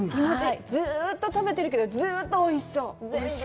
ずっと食べてるけど、ずっとおいしそう。